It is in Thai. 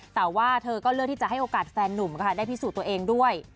แต่ว่าเธอก็เลือกที่จะให้โอกาสแฟนนุ่มค่ะได้พิสูจน์ตัวเองด้วย